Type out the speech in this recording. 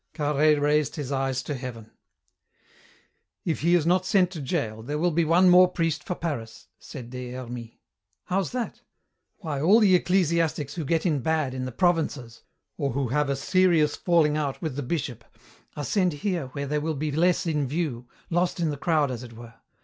Carhaix raised his eyes to heaven. "If he is not sent to jail, there will be one more priest for Paris," said Des Hermies. "How's that?" "Why, all the ecclesiastics who get in bad in the provinces, or who have a serious falling out with the bishop, are sent here where they will be less in view, lost in the crowd, as it were.